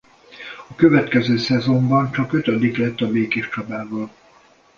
A következő szezonban csak ötödik lett a Békéscsabával.